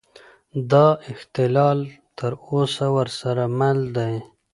دا اختلال تر اوسه ورسره مل دی.